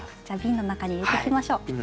じゃあびんの中に入れていきましょう。